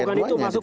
yang dilakukan itu